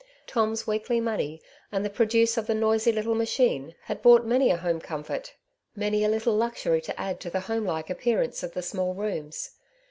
Tom's weekly money, and the produce of the noisy little machine, had bought many a home comfort, many a little luxury to add to the home like appearance of the small rooms.